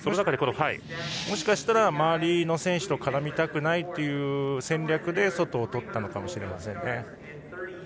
もしかしたら周りの選手と絡みたくないという戦略で、外をとったのかもしれませんね。